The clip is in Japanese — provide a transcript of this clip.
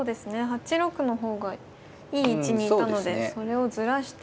８六の方がいい位置にいたのでそれをずらして。